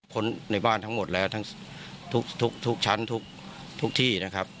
คนในบ้านทั้งหมดแล้วทุกชั้นทุกที่